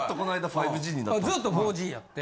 ずっと４Ｇやって。